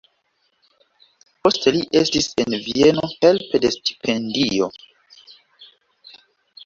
Poste li estis en Vieno helpe de stipendio.